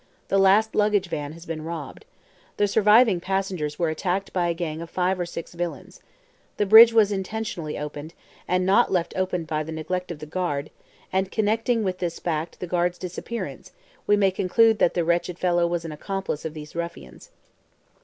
The last luggage van has been robbed. The surviving passengers were attacked by a gang of five or six villains. The bridge was intentionally opened, and not left open by the negligence of the guard; and connecting with this fact the guard's disappearance, we may conclude that the wretched fellow was an accomplice of these ruffians."